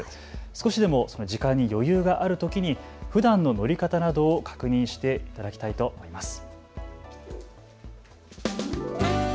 少しでも時間に余裕があるときにふだんの乗り方などを確認していただきたいと思います。